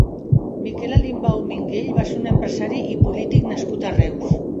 Miquel Alimbau Minguell va ser un empresari i polític nascut a Reus.